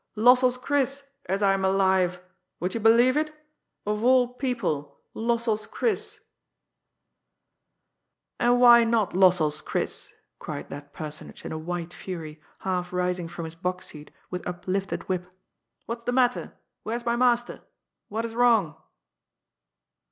"Lossell's Chris, as I'm alive! Would you believe it? Of all people, Lossell's Chris !" "And why not Lossell's Chris?" cried that personage in a white fury, half rising from his box seat with uplifted whip. "What's the matter? Where's my master? What is wrong?"